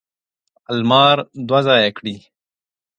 المار دوه ځایه کړي.